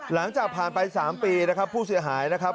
หลังจากผ่านไป๓ปีนะครับผู้เสียหายนะครับ